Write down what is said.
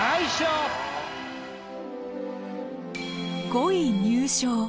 ５位入賞。